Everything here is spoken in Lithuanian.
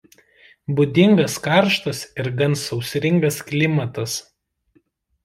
Būdingas karštas ir gan sausringas klimatas.